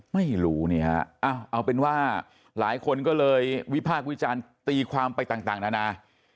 ไม่รู้นี่ฮะเอาเป็นว่าหลายคนก็เลยวิพากษ์วิจารณ์ตีความไปต่างนานา